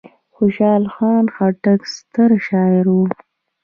خوشحال خان خټک ستر شاعر و.